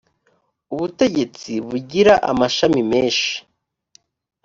ubutegetsi bugira amashami meshi.